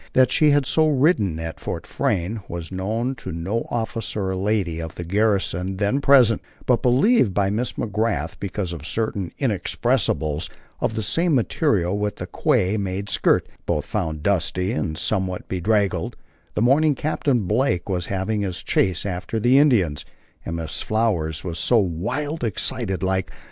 That she had so ridden at Fort Frayne was known to no officer or lady of the garrison then present, but believed by Miss McGrath because of certain inexpressibles of the same material with the "quare" made skirt; both found, dusty and somewhat bedraggled, the morning Captain Blake was having his chase after the Indians, and Miss Flower was so "wild excited like."